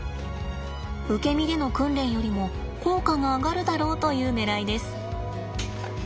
受け身での訓練よりも効果が上がるだろうというねらいです。